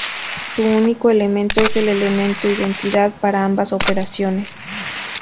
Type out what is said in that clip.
Su único elemento es el elemento identidad para ambas operaciones.